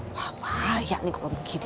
wah bahaya nih kalau begini